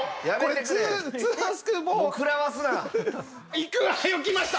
いくわよきました。